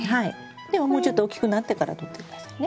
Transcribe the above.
でももうちょっと大きくなってからとって下さいね。